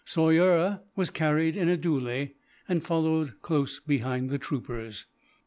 Soyera was carried in a dhoolie, and followed close behind the troopers.